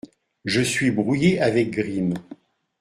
Je suis brouillé avec Grimm.